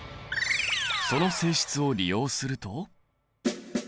その性質を利用すると。